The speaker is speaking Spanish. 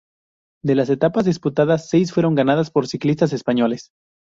De las etapas disputadas, seis fueron ganadas por ciclistas españoles.